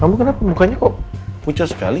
kamu kenapa mukanya kok pucah sekali